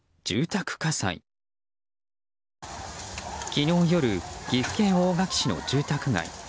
昨日夜、岐阜県大垣市の住宅街。